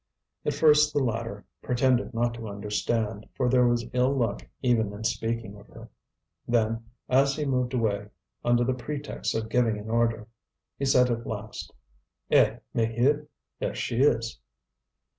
At first the latter pretended not to understand, for there was ill luck even in speaking of her. Then, as he moved away, under the pretext of giving an order, he said at last: "Eh! Maheude? There she is."